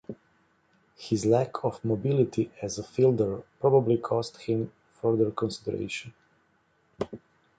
His lack of mobility as a fielder probably cost him further consideration.